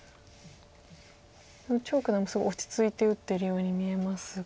張栩九段もすごい落ち着いて打ってるように見えますが。